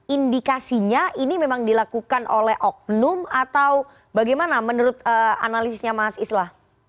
indikasinya ini memang dilakukan oleh oknum atau bagaimana menurut analisisnya mas islah